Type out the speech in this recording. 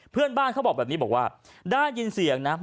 เพื่อนบ้านเขาบอกแบบนี้บอกว่าได้ยินเสียงนะ